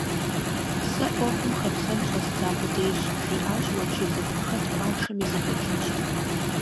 - Сэ Ӏуэхум хэплъэн щӀэздза къудейщ, - жиӏащ уэчылым, - хэт къуаншэми зэхэкӀынщ…